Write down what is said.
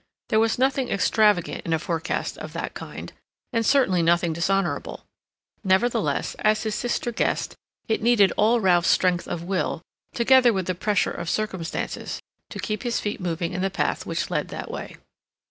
There was nothing extravagant in a forecast of that kind, and certainly nothing dishonorable. Nevertheless, as his sister guessed, it needed all Ralph's strength of will, together with the pressure of circumstances, to keep his feet moving in the path which led that way.